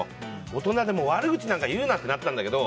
大人で悪口なんか言うなってなったんだけど。